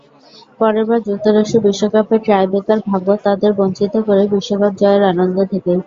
পরের বার যুক্তরাষ্ট্র বিশ্বকাপে টাইব্রেকার-ভাগ্য তাদের বঞ্চিত করে বিশ্বকাপ জয়ের আনন্দ থেকেই।